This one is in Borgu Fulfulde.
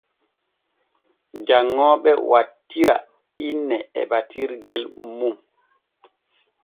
Janŋooɓe wattira inne e battitirgel mum.